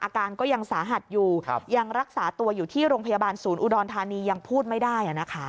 อาการก็ยังสาหัสอยู่ยังรักษาตัวอยู่ที่โรงพยาบาลศูนย์อุดรธานียังพูดไม่ได้